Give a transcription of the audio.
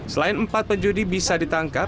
selain empat penjudi bisa ditangkap